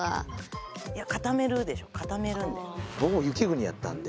ボクも雪国やったんで。